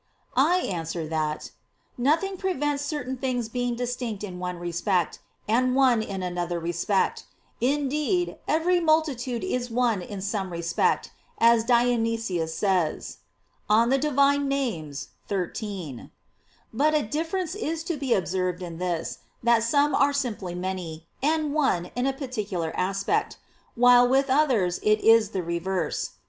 I answer that, Nothing prevents certain things being distinct in one respect, and one in another respect. Indeed, every multitude is one in some respect, as Dionysius says (Div. Nom. xiii). But a difference is to be observed in this, that some are simply many, and one in a particular aspect: while with others it is the reverse.